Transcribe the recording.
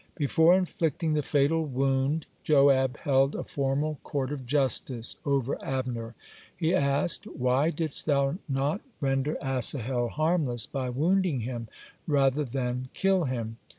Before inflicting the fatal wound, Joab held a formal court of justice over Abner. He asked: "Why didst thou no render Asahel harmless by wounding him rather than kill him?"